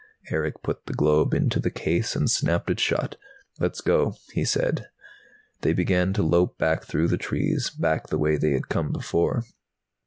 Erick put the globe into the case and snapped it shut. "Let's go," he said. They began to lope back through the trees, back the way they had come before.